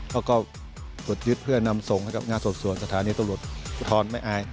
แล้วก็ตรวจยึดเพื่อนำส่งให้กับงานสดส่วนสถานีตำรวจภูทรแม่อาย